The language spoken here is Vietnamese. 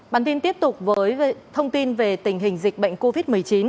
bản tin tiếp tục với thông tin về tình hình dịch bệnh covid một mươi chín